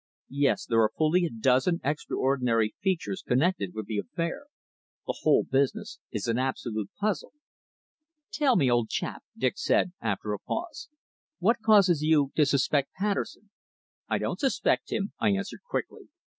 "Yes, there are fully a dozen extraordinary features connected with the affair. The whole business is an absolute puzzle." "Tell me, old chap," Dick said, after a pause, "what causes you to suspect Patterson?" "I don't suspect him," I answered quickly.